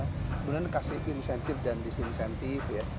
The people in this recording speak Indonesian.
kemudian kasih insentif dan disinsentif ya